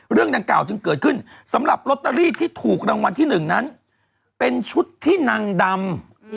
เรื่องดังกล่าวจึงเกิดขึ้นสำหรับลอตเตอรี่ที่ถูกรางวัลที่๑นั้นเป็นชุดที่นางดำ